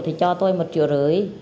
thì cho tôi một triệu rưỡi